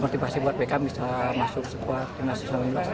motivasi buat bekam bisa masuk sekuat timnasional u sembilan belas